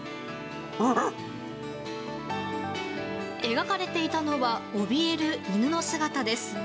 描かれていたのはおびえる犬の姿です。